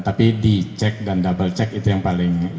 tapi dicek dan double check itu yang paling